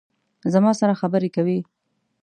زما سره خبرې کوي